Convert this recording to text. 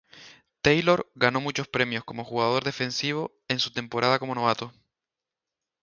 Taylor ganó muchos premios como jugador defensivo en su temporada como novato.